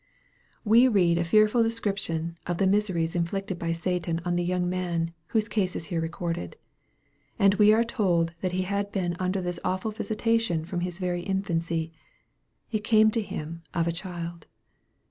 We read a fearful description of the miseries inflicted by Satan on the young man, whose case is here recorded. And we are told that he had been under this awful visi tation from his very infancy. It came to him, "of a child."